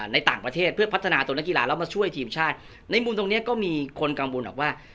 ในต่างประเทศเพื่อพัฒนาตัวนักกีฬาแล้วมาช่วยทีมชาติในมุมตรงเนี้ยก็มีคนกังวลว่า